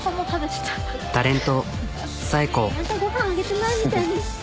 ちゃんとご飯あげてないみたいに。